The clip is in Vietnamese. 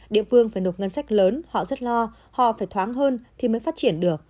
nếu nộp ngân sách lớn họ rất lo họ phải thoáng hơn thì mới phát triển được